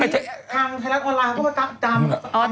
ทางไทยรักษณ์ออนไลน์ก็มาตาม